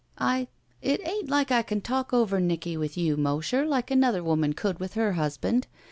I — It ain't like I can talk over Nicky with you, Mosher, like another woman could with her husband.